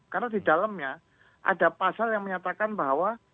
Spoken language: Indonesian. karena di dalamnya ada pasal yang menyatakan bahwa